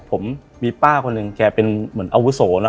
ผมมีป้าคนหนึ่งแกเป็นเหมือนอาวุโสนะ